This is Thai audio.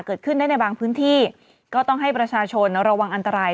เกิดขึ้นได้ในบางพื้นที่ก็ต้องให้ประชาชนระวังอันตราย